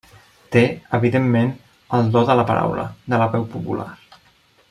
Té, evidentment, el do de la paraula, de la veu popular.